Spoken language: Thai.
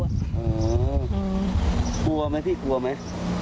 อ๋อปลูกว่าไหมพี่ปลูกว่าไหม